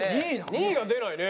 ２位が出ないね。